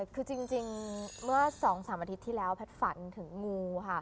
คือจริงเมื่อ๒๓อาทิตย์ที่แล้วแพทย์ฝันถึงงูค่ะ